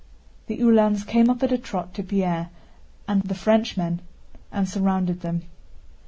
The Uhlans came up at a trot to Pierre and the Frenchman and surrounded them.